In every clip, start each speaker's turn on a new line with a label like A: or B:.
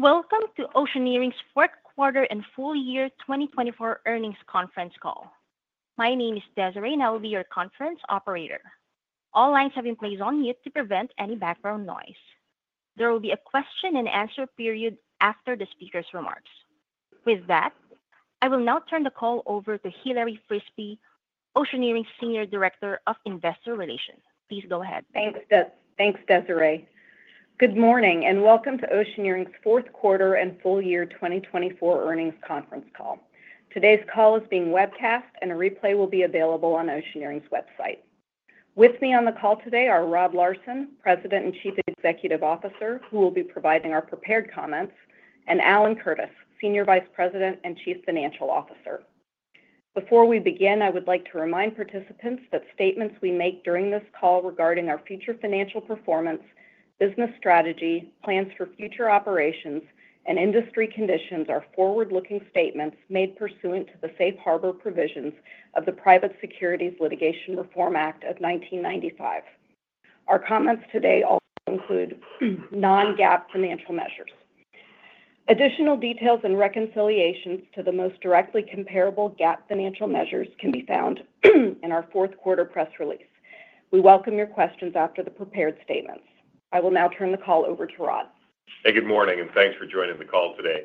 A: Welcome to Oceaneering's Fourth Quarter and Full Year 2024 Earnings Conference Call. My name is Desiree, and I will be your conference operator. All lines have been placed on mute to prevent any background noise. There will be a question and answer period after the speaker's remarks. With that, I will now turn the call over to Hilary Frisbie, Oceaneering's Senior Director of Investor Relations. Please go ahead.
B: Thanks, Desiree. Good morning and welcome to Oceaneering's Fourth Quarter and Full Year 2024 Earnings Conference Call. Today's call is being webcast, and a replay will be available on Oceaneering's website. With me on the call today are Rod Larson, President and Chief Executive Officer, who will be providing our prepared comments, and Alan Curtis, Senior Vice President and Chief Financial Officer. Before we begin, I would like to remind participants that statements we make during this call regarding our future financial performance, business strategy, plans for future operations, and industry conditions are forward-looking statements made pursuant to the Safe Harbor provisions of the Private Securities Litigation Reform Act of 1995. Our comments today also include non-GAAP financial measures. Additional details and reconciliations to the most directly comparable GAAP financial measures can be found in our fourth quarter press release. We welcome your questions after the prepared statements. I will now turn the call over to Rod.
C: Hey, good morning, and thanks for joining the call today.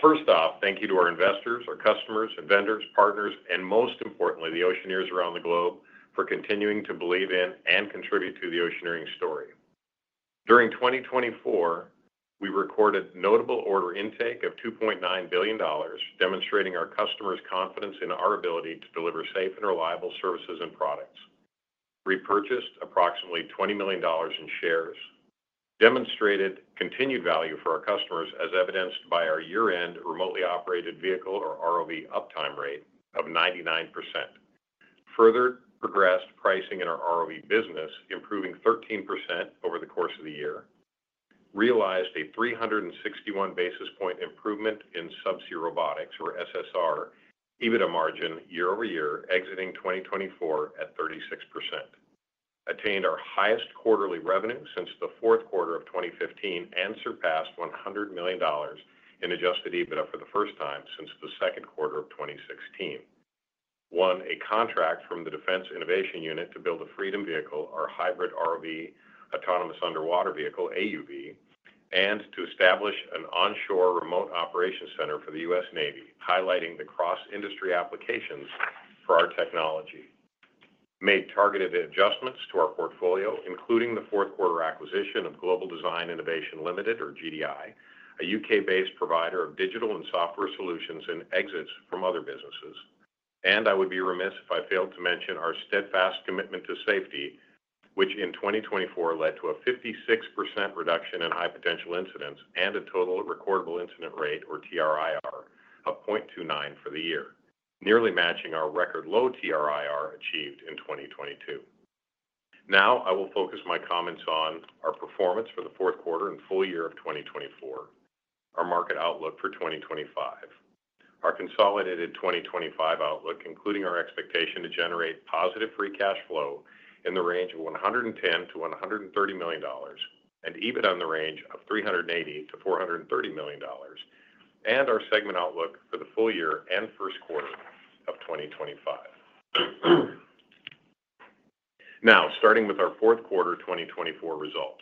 C: First off, thank you to our investors, our customers, and vendors, partners, and most importantly, the Oceaneers around the globe for continuing to believe in and contribute to the Oceaneering story. During 2024, we recorded notable order intake of $2.9 billion, demonstrating our customers' confidence in our ability to deliver safe and reliable services and products. We purchased approximately $20 million in shares, demonstrated continued value for our customers, as evidenced by our year-end remotely operated vehicle, or ROV, uptime rate of 99%. Further progressed pricing in our ROV business, improving 13% over the course of the year. Realized a 361 basis point improvement in Subsea Robotics, or SSR, EBITDA margin year-over-year, exiting 2024 at 36%. Attained our highest quarterly revenue since the fourth quarter of 2015 and surpassed $100 million in adjusted EBITDA for the first time since the second quarter of 2016. Won a contract from the Defense Innovation Unit to build a Freedom vehicle, our hybrid ROV, autonomous underwater vehicle, AUV, and to establish an onshore remote operations center for the U.S. Navy, highlighting the cross-industry applications for our technology. Made targeted adjustments to our portfolio, including the fourth quarter acquisition of Global Design Innovation Limited, or GDI, a U.K.-based provider of digital and software solutions and exits from other businesses. And I would be remiss if I failed to mention our steadfast commitment to safety, which in 2024 led to a 56% reduction in high potential incidents and a total recordable incident rate, or TRIR, of 0.29 for the year, nearly matching our record low TRIR achieved in 2022. Now I will focus my comments on our performance for the fourth quarter and full year of 2024, our market outlook for 2025, our consolidated 2025 outlook, including our expectation to generate positive free cash flow in the range of $110 million-$130 million, and EBITDA in the range of $380 million-$430 million, and our segment outlook for the full year and first quarter of 2025. Now, starting with our fourth quarter 2024 results.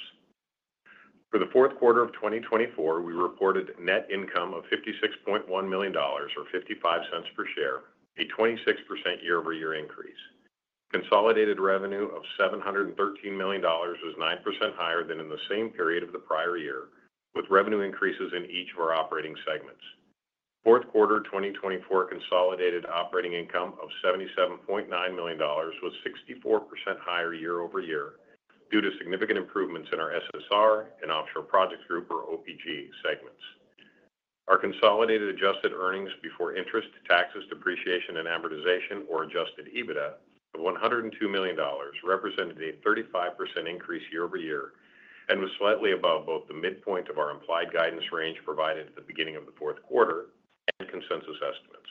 C: For the fourth quarter of 2024, we reported net income of $56.1 million, or $0.55 per share, a 26% year-over-year increase. Consolidated revenue of $713 million was 9% higher than in the same period of the prior year, with revenue increases in each of our operating segments. Fourth quarter 2024 consolidated operating income of $77.9 million was 64% higher year-over-year due to significant improvements in our SSR and Offshore Projects Group, or OPG, segments. Our consolidated adjusted earnings before interest, taxes, depreciation, and amortization, or adjusted EBITDA of $102 million represented a 35% increase year-over-year and was slightly above both the midpoint of our implied guidance range provided at the beginning of the fourth quarter and consensus estimates.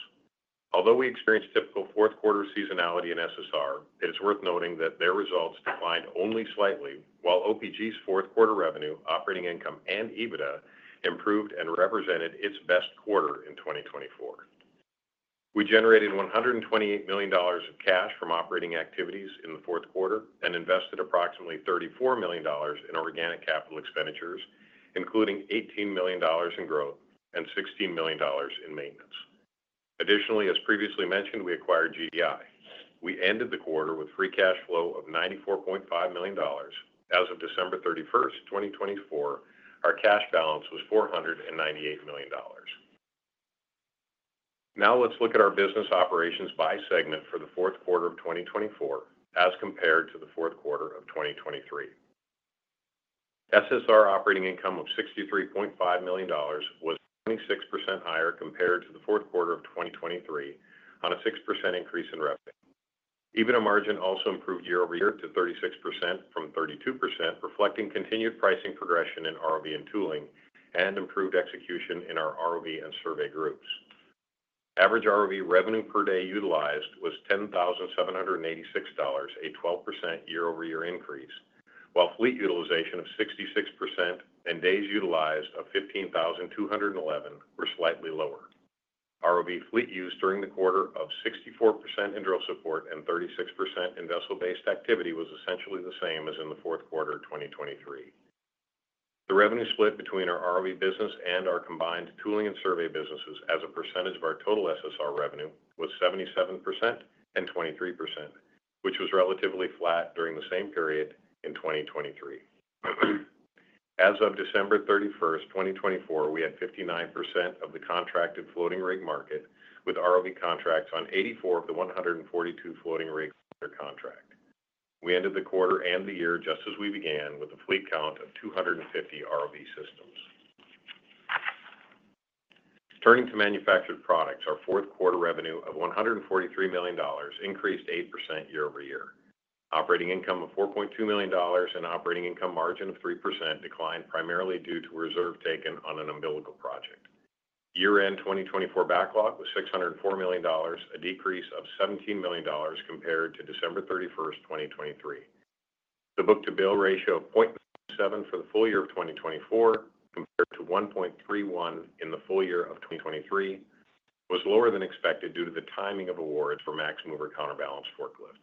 C: Although we experienced typical fourth quarter seasonality in SSR, it is worth noting that their results declined only slightly, while OPG's fourth quarter revenue, operating income, and EBITDA improved and represented its best quarter in 2024. We generated $128 million of cash from operating activities in the fourth quarter and invested approximately $34 million in organic capital expenditures, including $18 million in growth and $16 million in maintenance. Additionally, as previously mentioned, we acquired GDI. We ended the quarter with free cash flow of $94.5 million. As of December 31st, 2024, our cash balance was $498 million. Now let's look at our business operations by segment for the fourth quarter of 2024 as compared to the fourth quarter of 2023. SSR operating income of $63.5 million was 26% higher compared to the fourth quarter of 2023, on a 6% increase in revenue. EBITDA margin also improved year over-year to 36% from 32%, reflecting continued pricing progression in ROV and tooling and improved execution in our ROV and survey groups. Average ROV revenue per day utilized was $10,786, a 12% year-over-year increase, while fleet utilization of 66% and days utilized of 15,211 were slightly lower. ROV fleet use during the quarter of 64% in drill support and 36% in vessel-based activity was essentially the same as in the fourth quarter of 2023. The revenue split between our ROV business and our combined tooling and survey businesses as a percentage of our total SSR revenue was 77% and 23%, which was relatively flat during the same period in 2023. As of December 31st, 2024, we had 59% of the contracted floating rig market, with ROV contracts on 84 of the 142 floating rigs under contract. We ended the quarter and the year just as we began with a fleet count of 250 ROV systems. Turning to manufactured products, our fourth quarter revenue of $143 million increased 8% year-over-year. Operating income of $4.2 million and operating income margin of 3% declined primarily due to a reserve taken on an umbilical project. Year-end 2024 backlog was $604 million, a decrease of $17 million compared to December 31st, 2023. The book-to-bill ratio of 0.77 for the full year of 2024, compared to 1.31 in the full year of 2023, was lower than expected due to the timing of awards for MaxMover counterbalance forklifts.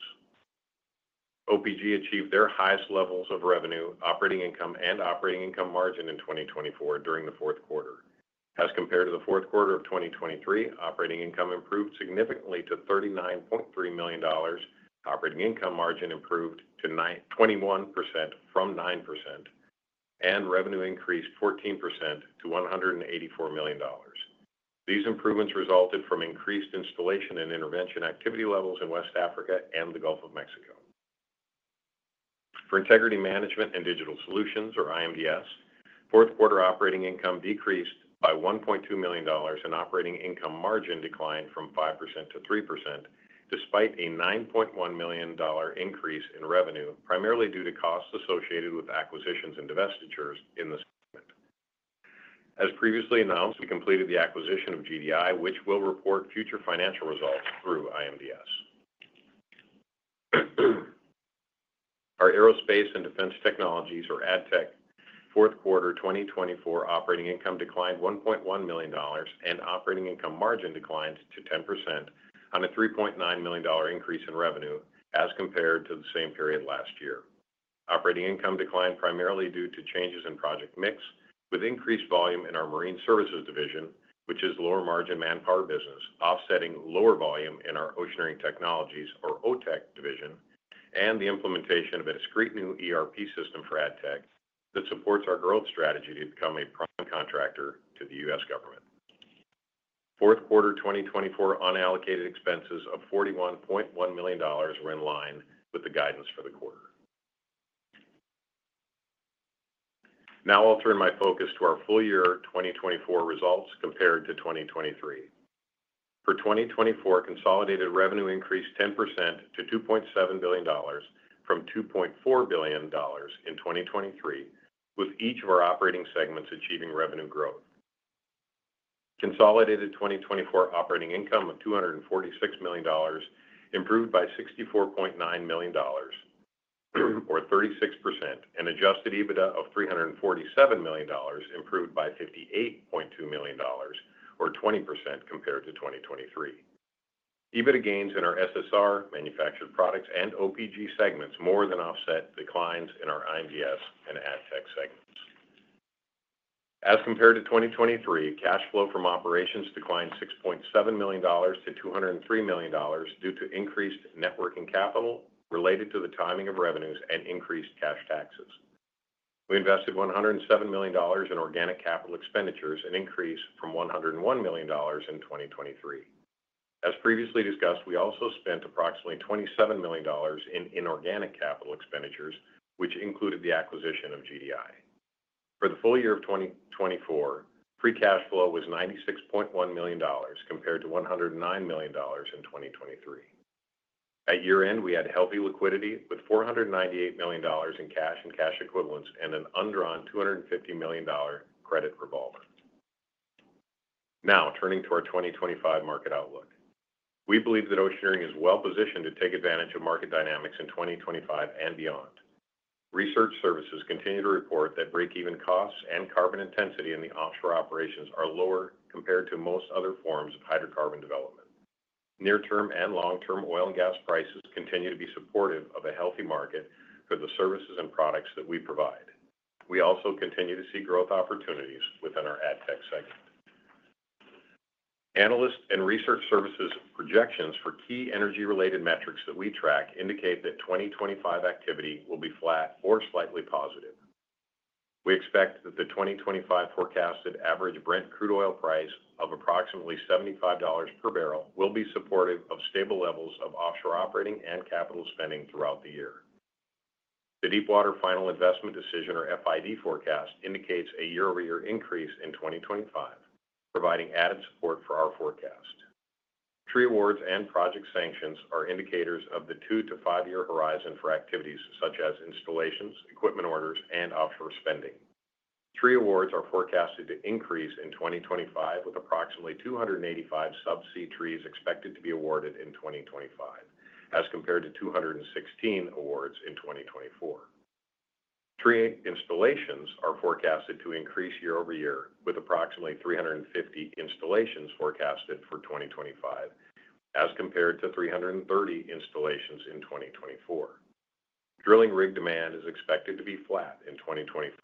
C: OPG achieved their highest levels of revenue, operating income, and operating income margin in 2024 during the fourth quarter. As compared to the fourth quarter of 2023, operating income improved significantly to $39.3 million. Operating income margin improved to 21% from 9%, and revenue increased 14% to $184 million. These improvements resulted from increased installation and intervention activity levels in West Africa and the Gulf of Mexico. For Integrity Management and Digital Solutions, or IMDS, fourth quarter operating income decreased by $1.2 million and operating income margin declined from 5%-3%, despite a $9.1 million increase in revenue, primarily due to costs associated with acquisitions and divestitures in the segment. As previously announced, we completed the acquisition of GDI, which will report future financial results through IMDS. Our Aerospace and Defense Technologies, or ADTEC, fourth quarter 2024 operating income declined $1.1 million and operating income margin declined to 10% on a $3.9 million increase in revenue as compared to the same period last year. Operating income declined primarily due to changes in project mix, with increased volume in our Marine Services Division, which is lower margin manpower business, offsetting lower volume in our Oceaneering Technologies, or OTEC, division and the implementation of a discrete new ERP system for ADTEC that supports our growth strategy to become a prime contractor to the U.S. government. Fourth quarter 2024 unallocated expenses of $41.1 million were in line with the guidance for the quarter. Now I'll turn my focus to our full year 2024 results compared to 2023. For 2024, consolidated revenue increased 10% to $2.7 billion from $2.4 billion in 2023, with each of our operating segments achieving revenue growth. Consolidated 2024 operating income of $246 million improved by $64.9 million, or 36%, and adjusted EBITDA of $347 million improved by $58.2 million, or 20% compared to 2023. EBITDA gains in our SSR, manufactured products, and OPG segments more than offset declines in our IMDS and AdTech segments. As compared to 2023, cash flow from operations declined $6.7 million to $203 million due to increased net working capital related to the timing of revenues and increased cash taxes. We invested $107 million in organic capital expenditures, an increase from $101 million in 2023. As previously discussed, we also spent approximately $27 million in inorganic capital expenditures, which included the acquisition of GDI. For the full year of 2024, free cash flow was $96.1 million compared to $109 million in 2023. At year-end, we had healthy liquidity with $498 million in cash and cash equivalents and an undrawn $250 million credit revolver. Now turning to our 2025 market outlook, we believe that Oceaneering is well positioned to take advantage of market dynamics in 2025 and beyond. Research services continue to report that break-even costs and carbon intensity in the offshore operations are lower compared to most other forms of hydrocarbon development. Near-term and long-term oil and gas prices continue to be supportive of a healthy market for the services and products that we provide. We also continue to see growth opportunities within our AdTech segment. Analyst and research services projections for key energy-related metrics that we track indicate that 2025 activity will be flat or slightly positive. We expect that the 2025 forecasted average Brent crude oil price of approximately $75 per barrel will be supportive of stable levels of offshore operating and capital spending throughout the year. The Deepwater Final Investment Decision, or FID, forecast indicates a year-over-year increase in 2025, providing added support for our forecast. Tree awards and project sanctions are indicators of the two to five-year horizon for activities such as installations, equipment orders, and offshore spending. Tree awards are forecasted to increase in 2025, with approximately 285 subsea trees expected to be awarded in 2025, as compared to 216 awards in 2024. Tree installations are forecasted to increase year-over-year, with approximately 350 installations forecasted for 2025, as compared to 330 installations in 2024. Drilling rig demand is expected to be flat in 2025.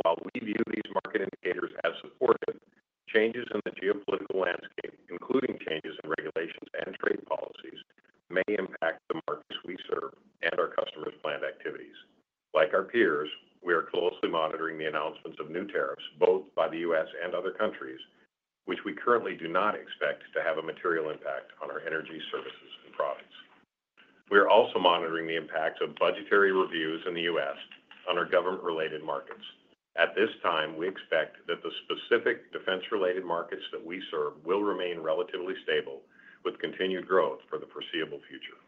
C: While we view these market indicators as supportive, changes in the geopolitical landscape, including changes in regulations and trade policies, may impact the markets we serve and our customers' planned activities. Like our peers, we are closely monitoring the announcements of new tariffs both by the U.S. and other countries, which we currently do not expect to have a material impact on our energy, services, and products. We are also monitoring the impact of budgetary reviews in the U.S. on our government-related markets. At this time, we expect that the specific defense-related markets that we serve will remain relatively stable, with continued growth for the foreseeable future.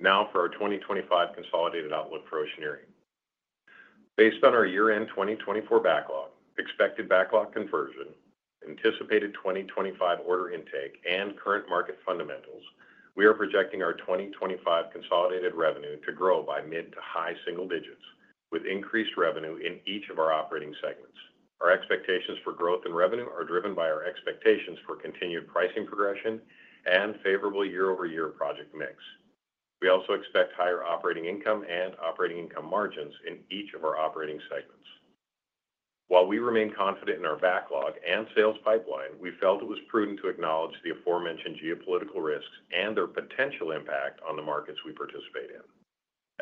C: Now for our 2025 consolidated outlook for Oceaneering. Based on our year-end 2024 backlog, expected backlog conversion, anticipated 2025 order intake, and current market fundamentals, we are projecting our 2025 consolidated revenue to grow by mid to high single digits, with increased revenue in each of our operating segments. Our expectations for growth in revenue are driven by our expectations for continued pricing progression and favorable year-over-year project mix. We also expect higher operating income and operating income margins in each of our operating segments. While we remain confident in our backlog and sales pipeline, we felt it was prudent to acknowledge the aforementioned geopolitical risks and their potential impact on the markets we participate in.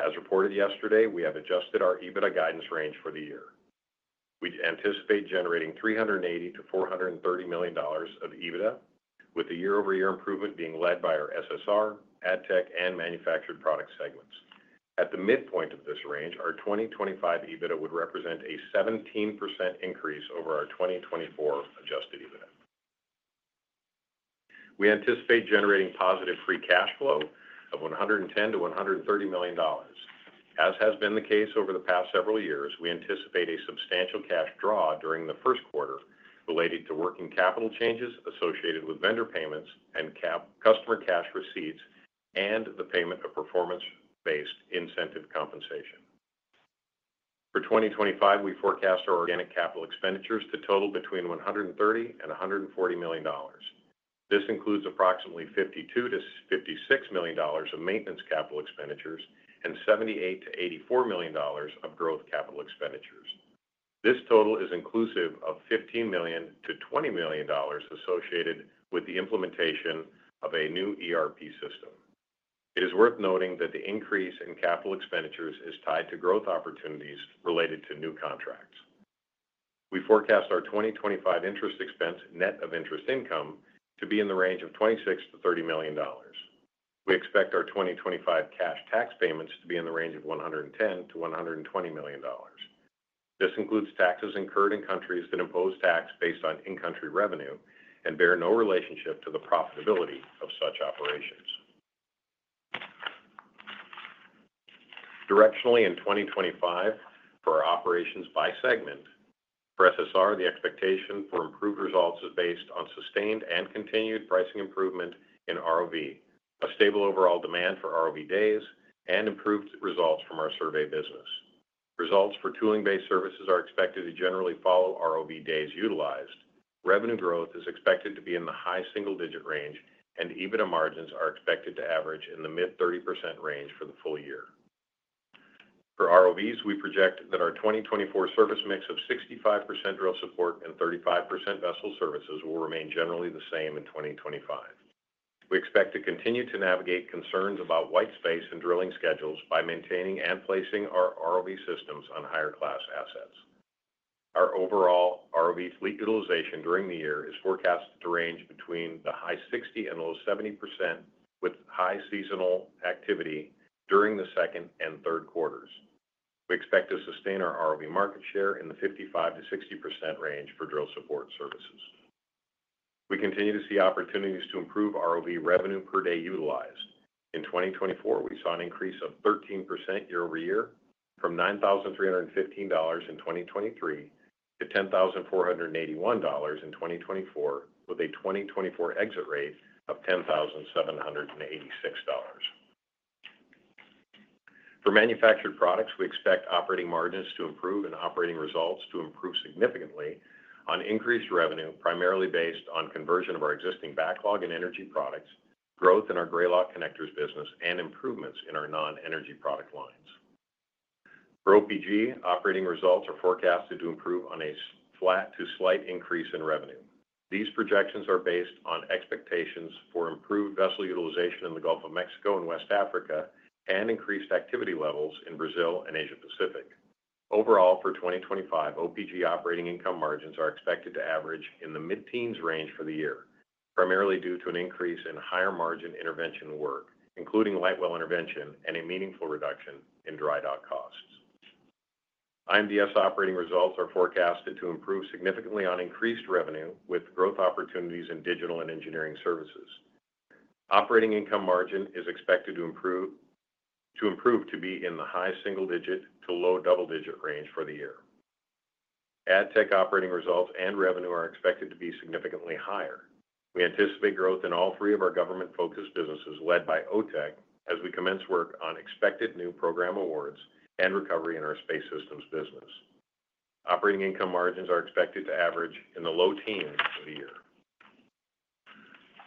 C: As reported yesterday, we have adjusted our EBITDA guidance range for the year. We anticipate generating $380 million-$430 million of EBITDA, with the year-over-year improvement being led by our SSR, ADTECH, and manufactured product segments. At the midpoint of this range, our 2025 EBITDA would represent a 17% increase over our 2024 adjusted EBITDA. We anticipate generating positive free cash flow of $110 million-$130 million. As has been the case over the past several years, we anticipate a substantial cash draw during the first quarter related to working capital changes associated with vendor payments and customer cash receipts and the payment of performance-based incentive compensation. For 2025, we forecast our organic capital expenditures to total between $130 million and $140 million. This includes approximately $52-$56 million of maintenance capital expenditures and $78 million-$84 million of growth capital expenditures. This total is inclusive of $15 million-$20 million associated with the implementation of a new ERP system. It is worth noting that the increase in capital expenditures is tied to growth opportunities related to new contracts. We forecast our 2025 interest expense net of interest income to be in the range of $26 million-$30 million. We expect our 2025 cash tax payments to be in the range of $110 million-$120 million. This includes taxes incurred in countries that impose tax based on in-country revenue and bear no relationship to the profitability of such operations. Directionally in 2025 for our operations by segment, for SSR, the expectation for improved results is based on sustained and continued pricing improvement in ROV, a stable overall demand for ROV days, and improved results from our survey business. Results for tooling-based services are expected to generally follow ROV days utilized. Revenue growth is expected to be in the high single-digit range, and EBITDA margins are expected to average in the mid-30% range for the full year. For ROVs, we project that our 2024 service mix of 65% drill support and 35% vessel services will remain generally the same in 2025. We expect to continue to navigate concerns about white space in drilling schedules by maintaining and placing our ROV systems on higher-class assets. Our overall ROV fleet utilization during the year is forecast to range between the high 60s and low 70s%, with high seasonal activity during the second and third quarters. We expect to sustain our ROV market share in the 55%-60% range for drill support services. We continue to see opportunities to improve ROV revenue per day utilized. In 2024, we saw an increase of 13% year-over-year from $9,315 in 2023 to $10,481 in 2024, with a 2024 exit rate of $10,786. For manufactured products, we expect operating margins to improve and operating results to improve significantly on increased revenue, primarily based on conversion of our existing backlog in energy products, growth in our Grayloc connectors business, and improvements in our non-energy product lines. For OPG, operating results are forecasted to improve on a flat to slight increase in revenue. These projections are based on expectations for improved vessel utilization in the Gulf of Mexico and West Africa and increased activity levels in Brazil and Asia-Pacific. Overall, for 2025, OPG operating income margins are expected to average in the mid-teens range for the year, primarily due to an increase in higher-margin intervention work, including light well intervention and a meaningful reduction in dry dock costs. IMDS operating results are forecasted to improve significantly on increased revenue with growth opportunities in digital and engineering services. Operating income margin is expected to improve to be in the high single-digit to low double-digit range for the year. AdTech operating results and revenue are expected to be significantly higher. We anticipate growth in all three of our government-focused businesses led by OTEC as we commence work on expected new program awards and recovery in our Space Systems business. Operating income margins are expected to average in the low teens of the year.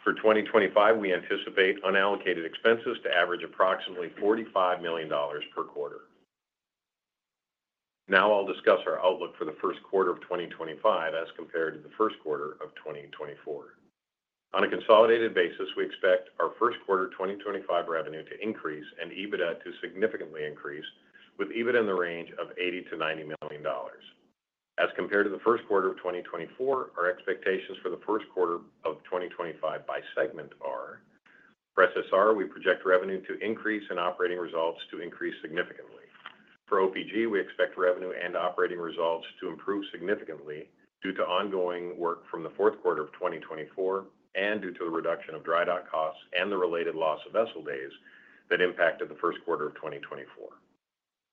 C: For 2025, we anticipate unallocated expenses to average approximately $45 million per quarter. Now I'll discuss our outlook for the first quarter of 2025 as compared to the first quarter of 2024. On a consolidated basis, we expect our first quarter 2025 revenue to increase and EBITDA to significantly increase, with EBITDA in the range of $80 million-$90 million. As compared to the first quarter of 2024, our expectations for the first quarter of 2025 by segment are. For SSR, we project revenue to increase and operating results to increase significantly. For OPG, we expect revenue and operating results to improve significantly due to ongoing work from the fourth quarter of 2024 and due to the reduction of dry dock costs and the related loss of vessel days that impacted the first quarter of 2024.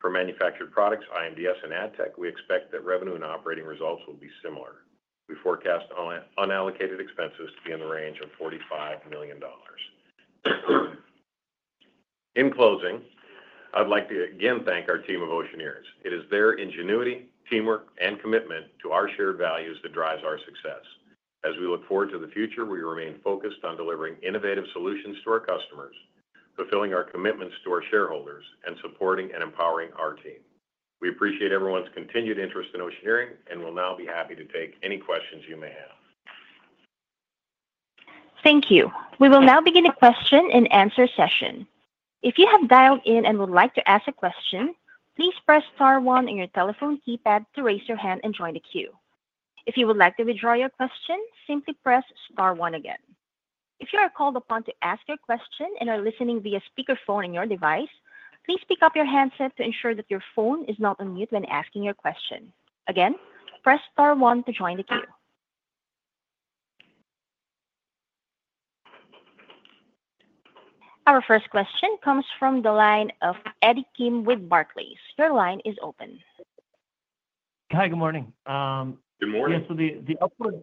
C: For manufactured products, IMDS and AdTech, we expect that revenue and operating results will be similar. We forecast unallocated expenses to be in the range of $45 million. In closing, I'd like to again thank our team of Oceaneers. It is their ingenuity, teamwork, and commitment to our shared values that drives our success. As we look forward to the future, we remain focused on delivering innovative solutions to our customers, fulfilling our commitments to our shareholders, and supporting and empowering our team. We appreciate everyone's continued interest in Oceaneering and will now be happy to take any questions you may have.
A: Thank you. We will now begin a question-and-answer session. If you have dialed in and would like to ask a question, please press star one in your telephone keypad to raise your hand and join the queue. If you would like to withdraw your question, simply press star one again. If you are called upon to ask your question and are listening via speakerphone on your device, please pick up your handset to ensure that your phone is not on mute when asking your question. Again, press star one to join the queue. Our first question comes from the line of Eddie Kim with Barclays. Your line is open.
D: Hi, good morning.
C: Good morning.
D: So the upward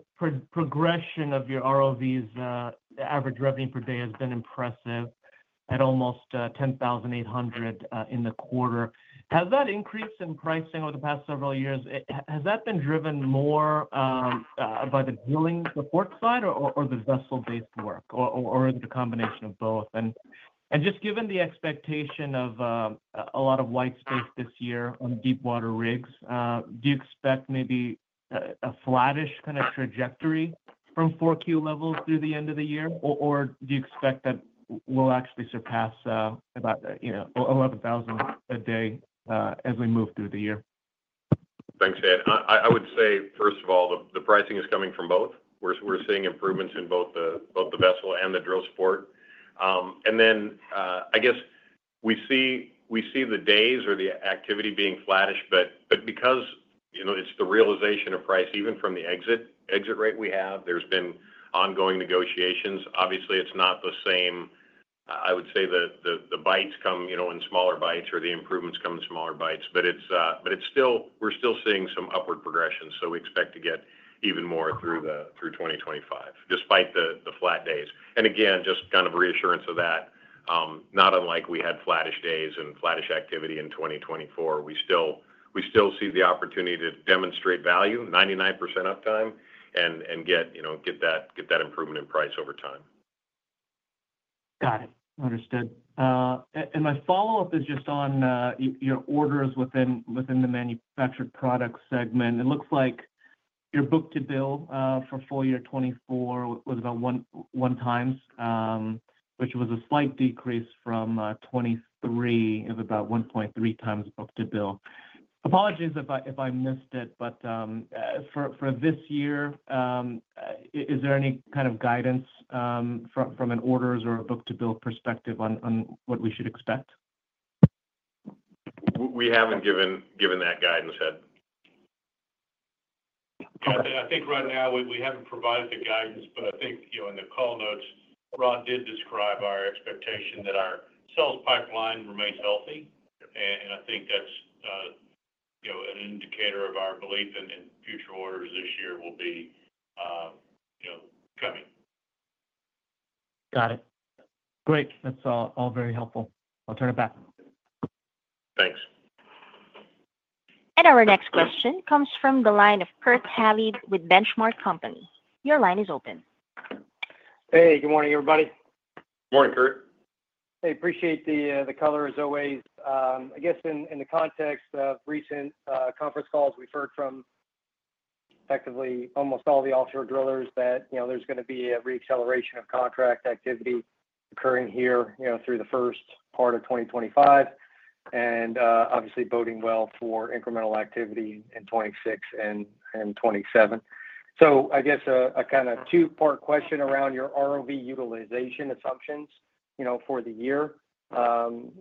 D: progression of your ROV's average revenue per day has been impressive at almost $10,800 in the quarter. Has that increase in pricing over the past several years, has that been driven more by the drilling support side or the vessel-based work, or is it a combination of both? And just given the expectation of a lot of white space this year on deepwater rigs, do you expect maybe a flattish kind of trajectory from 4Q levels through the end of the year, or do you expect that we'll actually surpass about $11,000 a day as we move through the year?
C: Thanks, Ed. I would say, first of all, the pricing is coming from both. We're seeing improvements in both the vessel and the drill support. Then I guess we see the days or the activity being flattish, but because it's the realization of price, even from the exit rate we have, there's been ongoing negotiations. Obviously, it's not the same. I would say the bites come in smaller bites or the improvements come in smaller bites, but we're still seeing some upward progression, so we expect to get even more through 2025, despite the flat days. Again, just kind of reassurance of that, not unlike we had flattish days and flattish activity in 2024, we still see the opportunity to demonstrate value, 99% uptime, and get that improvement in price over time.
D: Got it. Understood. My follow-up is just on your orders within the manufactured product segment. It looks like your book-to-bill for full year 2024 was about one times, which was a slight decrease from 2023 of about 1.3 times book-to-bill. Apologies if I missed it, but for this year, is there any kind of guidance from an orders or a book-to-bill perspective on what we should expect?
C: We haven't given that guidance, Ed.
E: I think right now we haven't provided the guidance, but I think in the call notes, Rod did describe our expectation that our sales pipeline remains healthy, and I think that's an indicator of our belief in future orders this year will be coming.
D: Got it. Great. That's all very helpful. I'll turn it back.
E: Thanks.
A: And our next question comes from the line of Kurt Hallead with Benchmark Company. Your line is open.
F: Hey, good morning, everybody.
C: Morning, Kurt.
F: Hey, appreciate the color as always. I guess in the context of recent conference calls, we've heard from effectively almost all the offshore drillers that there's going to be a reacceleration of contract activity occurring here through the first part of 2025, and obviously boding well for incremental activity in 2026 and 2027. So I guess a kind of two-part question around your ROV utilization assumptions for the year. Can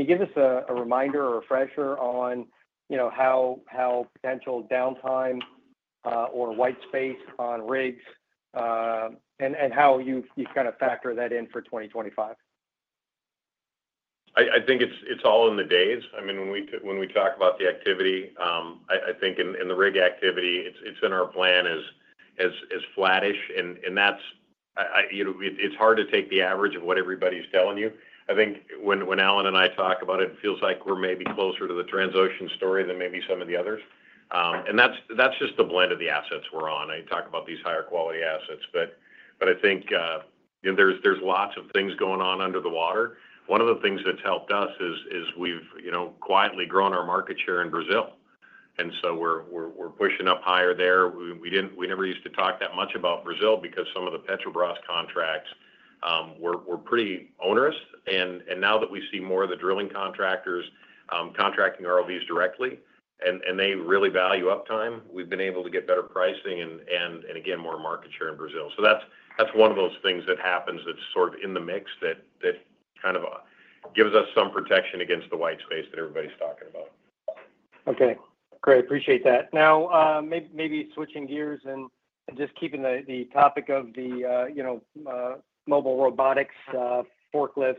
F: you give us a reminder or refresher on how potential downtime or white space on rigs and how you've kind of factored that in for 2025?
C: I think it's all in the days. I mean, when we talk about the activity, I think in the rig activity, it's in our plan as flattish, and it's hard to take the average of what everybody's telling you. I think when Alan and I talk about it, it feels like we're maybe closer to the Transocean story than maybe some of the others, and that's just the blend of the assets we're on. I talk about these higher quality assets, but I think there's lots of things going on under the water. One of the things that's helped us is we've quietly grown our market share in Brazil, and so we're pushing up higher there. We never used to talk that much about Brazil because some of the Petrobras contracts were pretty onerous, and now that we see more of the drilling contractors contracting ROVs directly, and they really value uptime, we've been able to get better pricing and, again, more market share in Brazil. So that's one of those things that happens that's sort of in the mix that kind of gives us some protection against the white space that everybody's talking about.
F: Okay. Great. Appreciate that. Now, maybe switching gears and just keeping the topic of the mobile robotics, forklifts,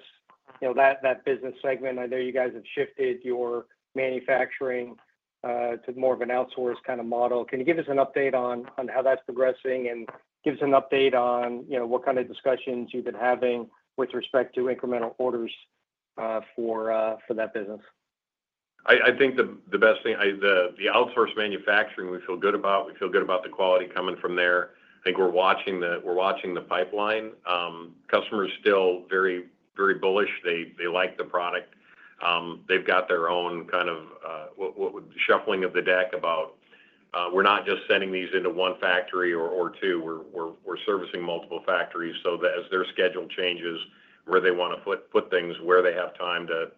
F: that business segment, I know you guys have shifted your manufacturing to more of an outsource kind of model. Can you give us an update on how that's progressing and give us an update on what kind of discussions you've been having with respect to incremental orders for that business?
C: I think the best thing, the outsource manufacturing, we feel good about. We feel good about the quality coming from there. I think we're watching the pipeline. Customers are still very bullish. They like the product. They've got their own kind of shuffling of the deck about, "We're not just sending these into one factory or two. We're servicing multiple factories." So as their schedule changes, where they want to put things, where they have time to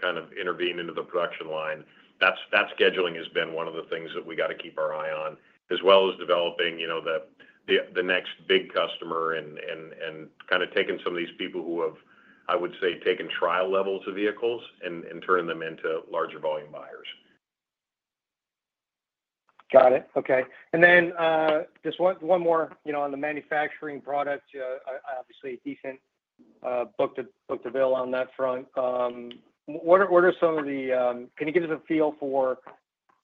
C: kind of intervene into the production line, that scheduling has been one of the things that we got to keep our eye on, as well as developing the next big customer and kind of taking some of these people who have, I would say, taken trial levels of vehicles and turning them into larger volume buyers.
F: Got it. Okay. And then just one more on the manufacturing product, obviously decent book-to-bill on that front. Can you give us a feel for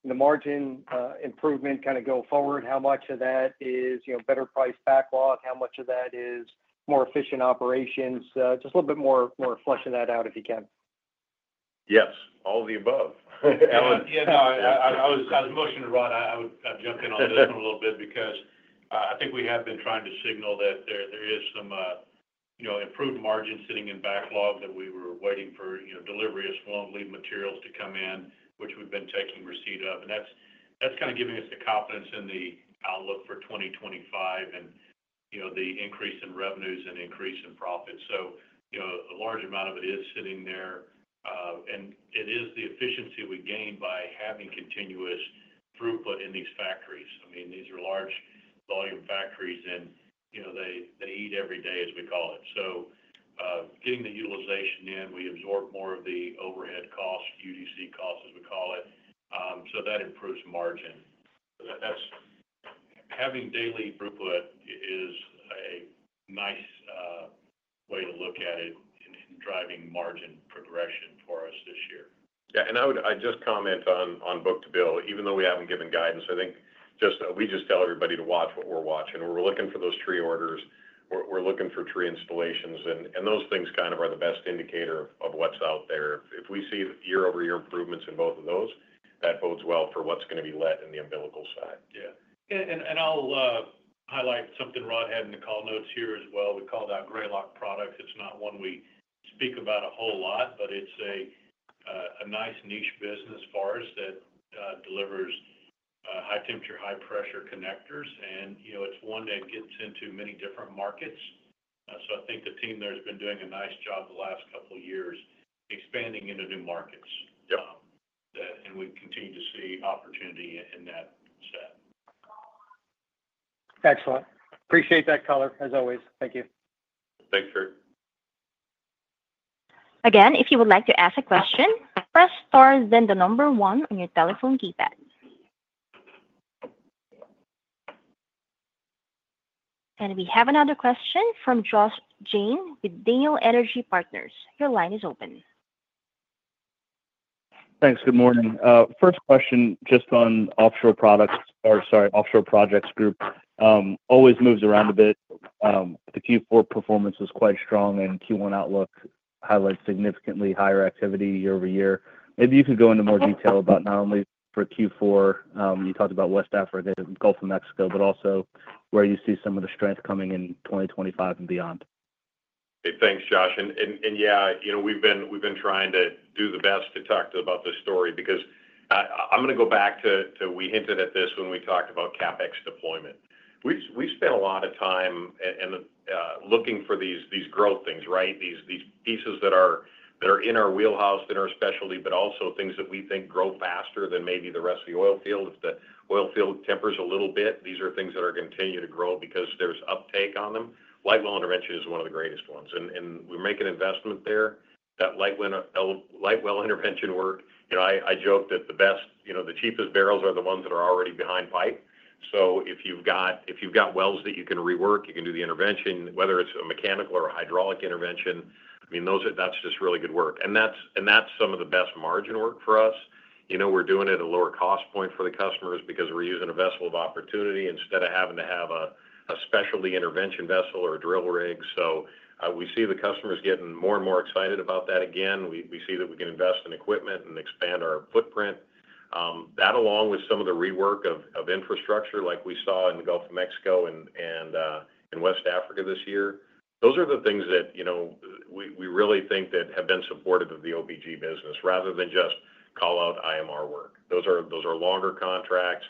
F: the margin improvement kind of go forward? How much of that is better priced backlog? How much of that is more efficient operations? Just a little bit more fleshing that out if you can.
C: Yes. All of the above.
E: Alan. Yeah. No, I was motioning to Rod. I would jump in on this one a little bit because I think we have been trying to signal that there is some improved margin sitting in backlog that we were waiting for delivery of steel and lead materials to come in, which we've been taking receipt of. And that's kind of giving us the confidence in the outlook for 2025 and the increase in revenues and increase in profits. So a large amount of it is sitting there, and it is the efficiency we gain by having continuous throughput in these factories. I mean, these are large volume factories, and they eat every day, as we call it. So getting the utilization in, we absorb more of the overhead costs, UDC costs, as we call it. So that improves margin. Having daily throughput is a nice way to look at it in driving margin progression for us this year.
C: Yeah. And I'd just comment on book-to-bill. Even though we haven't given guidance, I think we just tell everybody to watch what we're watching. We're looking for those tree orders. We're looking for tree installations. And those things kind of are the best indicator of what's out there. If we see year-over-year improvements in both of those, that bodes well for what's going to be let in the umbilical side.
E: Yeah. And I'll highlight something Rod had in the call notes here as well. We call that Grayloc product. It's not one we speak about a whole lot, but it's a nice niche business for us that delivers high-temperature, high-pressure connectors. And it's one that gets into many different markets. So I think the team there has been doing a nice job the last couple of years expanding into new markets. And we continue to see opportunity in that set.
F: Excellent. Appreciate that color, as always. Thank you.
C: Thanks, Curt.
A: Again, if you would like to ask a question, press star then the number one on your telephone keypad. And we have another question from Josh Jayne with Daniel Energy Partners. Your line is open.
G: Thanks. Good morning. First question just on offshore products or sorry, Offshore Projects Group. Always moves around a bit. The Q4 performance was quite strong, and Q1 outlook highlights significantly higher activity year over year. Maybe you could go into more detail about not only for Q4? You talked about West Africa and Gulf of Mexico, but also where you see some of the strength coming in 2025 and beyond.
C: Thanks, Josh, and yeah, we've been trying to do the best to talk to you about this story because I'm going to go back to. We hinted at this when we talked about CapEx deployment. We spent a lot of time looking for these growth things, right? These pieces that are in our wheelhouse, in our specialty, but also things that we think grow faster than maybe the rest of the oil field. If the oil field tempers a little bit, these are things that are going to continue to grow because there's uptake on them. Light well intervention is one of the greatest ones, and we make an investment there. That light well intervention work, I joke that the best, the cheapest barrels are the ones that are already behind pipe. So if you've got wells that you can rework, you can do the intervention, whether it's a mechanical or a hydraulic intervention, I mean, that's just really good work. And that's some of the best margin work for us. We're doing it at a lower cost point for the customers because we're using a vessel of opportunity instead of having to have a specialty intervention vessel or a drill rig. So we see the customers getting more and more excited about that again. We see that we can invest in equipment and expand our footprint. That, along with some of the rework of infrastructure like we saw in the Gulf of Mexico and West Africa this year, those are the things that we really think that have been supportive of the OPG business rather than just call out IMR work. Those are longer contracts.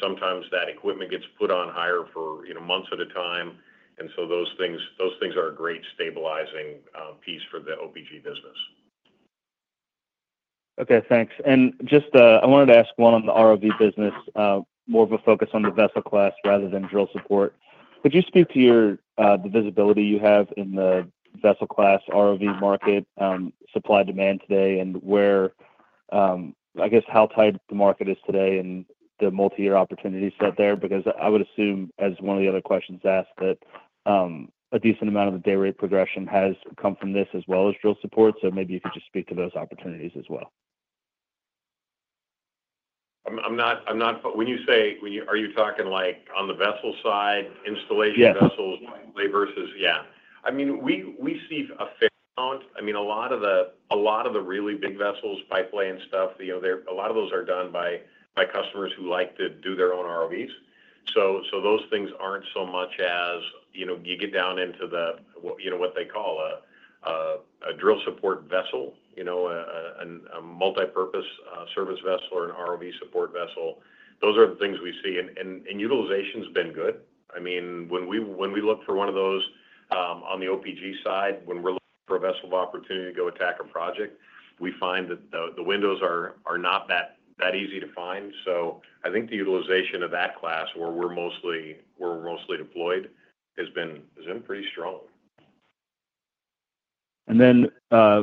C: Sometimes that equipment gets put on hire for months at a time. And so those things are a great stabilizing piece for the OPG business.
G: Okay. Thanks. And just I wanted to ask one on the ROV business, more of a focus on the vessel class rather than drill support. Could you speak to the visibility you have in the vessel class ROV market, supply demand today, and I guess how tight the market is today and the multi-year opportunity set there? Because I would assume, as one of the other questions asked, that a decent amount of the day rate progression has come from this as well as drill support. So maybe you could just speak to those opportunities as well.
C: I'm not. When you say, are you talking on the vessel side, installation vessels versus yeah. I mean, we see a fair amount. I mean, a lot of the really big vessels, pipeline stuff, a lot of those are done by customers who like to do their own ROVs. So those things aren't so much. As you get down into what they call a drill support vessel, a multi-purpose service vessel, or an ROV support vessel. Those are the things we see. And utilization has been good. I mean, when we look for one of those on the OPG side, when we're looking for a vessel of opportunity to go attack a project, we find that the windows are not that easy to find. So I think the utilization of that class where we're mostly deployed has been pretty strong.
G: And then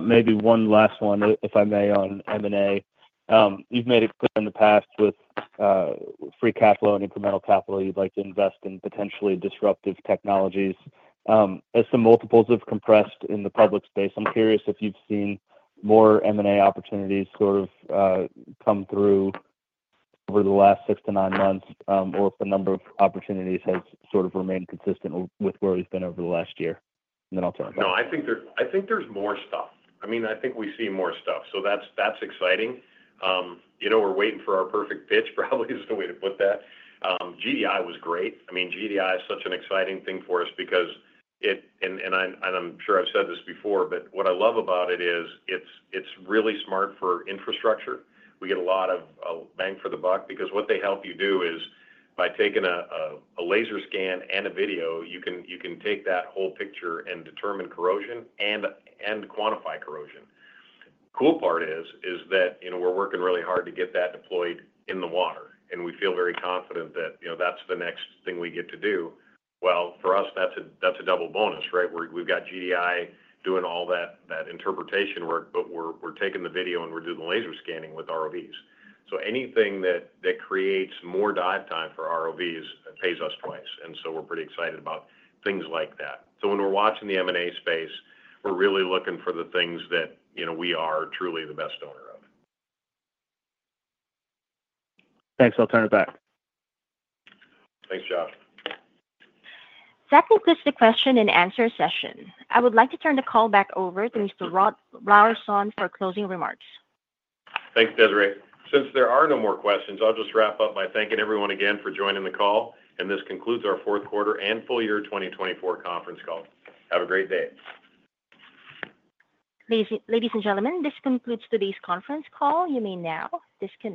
G: maybe one last one, if I may, on M&A. You've made it clear in the past with free capital and incremental capital you'd like to invest in potentially disruptive technologies. As the multiples have compressed in the public space, I'm curious if you've seen more M&A opportunities sort of come through over the last six to nine months, or if the number of opportunities has sort of remained consistent with where we've been over the last year. And then I'll turn it back.
C: No, I think there's more stuff. I mean, I think we see more stuff, so that's exciting. We're waiting for our perfect pitch, probably is the way to put that. GDI was great. I mean, GDI is such an exciting thing for us because it and I'm sure I've said this before, but what I love about it is it's really smart for infrastructure. We get a lot of bang for the buck because what they help you do is by taking a laser scan and a video, you can take that whole picture and determine corrosion and quantify corrosion. The cool part is that we're working really hard to get that deployed in the water, and we feel very confident that that's the next thing we get to do, well, for us, that's a double bonus, right? We've got GDI doing all that interpretation work, but we're taking the video and we're doing the laser scanning with ROVs, so anything that creates more dive time for ROVs pays us twice, and so we're pretty excited about things like that, so when we're watching the M&A space, we're really looking for the things that we are truly the best owner of.
G: Thanks. I'll turn it back.
C: Thanks, Josh.
A: That concludes the question and answer session. I would like to turn the call back over to Mr. Rod Larson for closing remarks.
C: Thanks, Desiree. Since there are no more questions, I'll just wrap up by thanking everyone again for joining the call, and this concludes our fourth quarter and full year 2024 conference call. Have a great day.
A: Ladies and gentlemen, this concludes today's conference call. You may now disconnect.